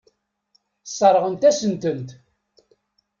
Sseṛɣent-asen-tent.